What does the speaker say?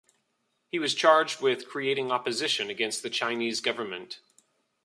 He was charged with creating opposition against the Chinese government.